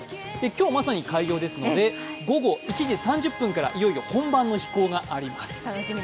今日まさに開業ですので、午後１時３０分からいよいよ本番の飛行があります。